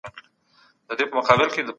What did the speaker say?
پیغمبر د وفادارۍ تر ټولو غوره بېلګه وه.